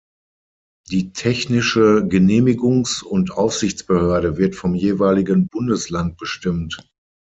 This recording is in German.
Die Technische Genehmigungs- und Aufsichtsbehörde wird vom jeweiligen Bundesland bestimmt.